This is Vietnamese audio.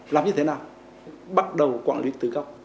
làm như thế nào bắt đầu quản lý từ gốc